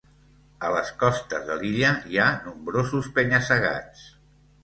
A les costes de l'illa hi ha nombrosos penya-segats.